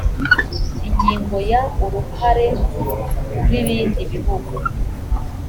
ingingo ya uruhare rw ibindi bihugu